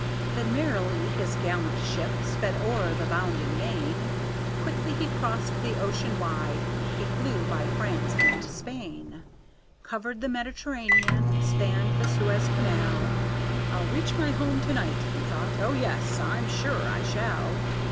Then merrily his gallant ship sped o'er the bounding main, Quickly he crossed the ocean wide, he flew by France and Spain; Covered the Mediterranean, spanned the Suez Canal, "I'll reach my home to night," he thought, "oh, yes, I'm sure I shall."